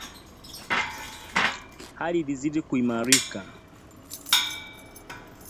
Hali ilizidi kuimarika